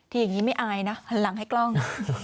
อย่างนี้ไม่อายนะหันหลังให้กล้อง